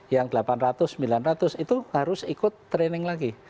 yang delapan ratus sembilan ratus itu harus ikut training lagi